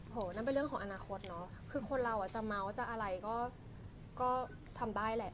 นั่นเป็นเรื่องของอนาคตเนาะคือคนเราจะเมาส์จะอะไรก็ทำได้แหละ